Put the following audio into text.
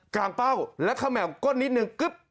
กลางเป้าแล้วคำแหมวกดนิดนึงกึ๊บ